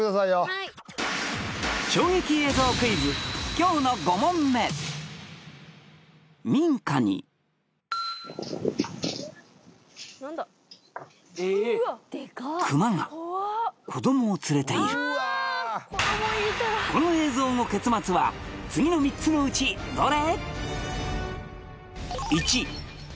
はい今日の５問目民家にクマが子供を連れている次の３つのうちどれ？